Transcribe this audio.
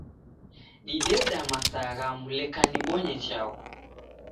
Dideda masaa ghamu leka nibonye chaghu